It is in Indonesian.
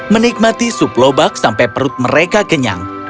menikmati sup lobak sampai perut mereka kenyang